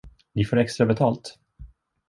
Ni får extra betalt.